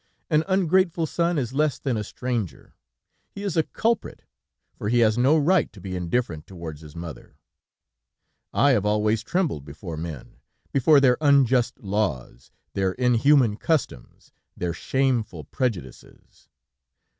An ungrateful son is less than a stranger; he is a culprit, for he has no right to be indifferent towards his mother. "'I have always trembled before men, before their unjust laws, their inhuman customs, their shameful prejudices.